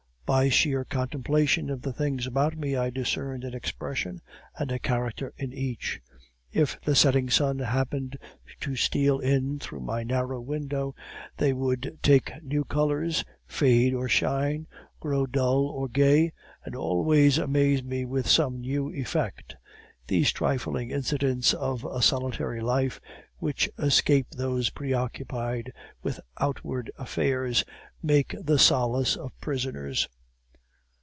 By sheer contemplation of the things about me I discerned an expression and a character in each. If the setting sun happened to steal in through my narrow window, they would take new colors, fade or shine, grow dull or gay, and always amaze me with some new effect. These trifling incidents of a solitary life, which escape those preoccupied with outward affairs, make the solace of prisoners.